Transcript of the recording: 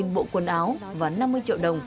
một bộ quần áo và năm mươi triệu đồng